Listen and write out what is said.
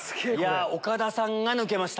岡田さんが抜けました。